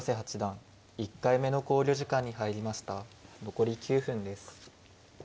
残り９分です。